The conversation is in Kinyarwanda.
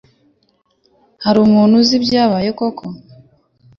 Hari umuntu uzi ibyabaye koko?